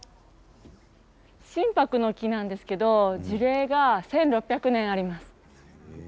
シンパクの木なんですけど樹齢が１６００年あります。